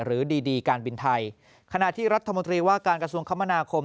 หรือดีดีการบินไทยขณะที่รัฐมนตรีว่าการกระทรวงคมนาคม